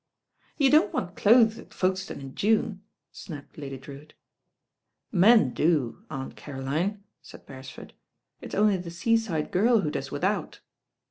'^ "You don't want clothes at Folkestone in Tune." snapped I at' Drewitt. "Men do, Aunt Caroline," said Beresford; "it's only the seaside girl who does without."